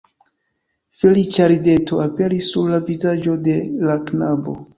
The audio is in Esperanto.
Feliĉa rideto aperis sur la vizaĝo de la knabo